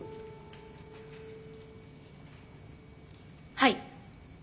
はい。